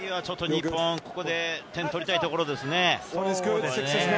日本、ここで点を取りたいところですね。